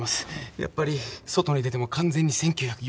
やっぱり外に出ても完全に１９４１年でした。